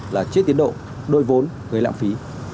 là chết tiến độ đôi vốn gây lạm phí